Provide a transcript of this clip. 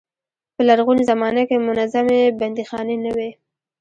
په لرغونې زمانه کې منظمې بندیخانې نه وې.